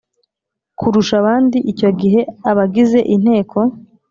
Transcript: Kurusha abandi icyo gihe abagize inteko